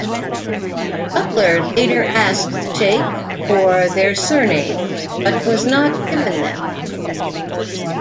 Butler later asked Shaikh for their surnames, but was not given them.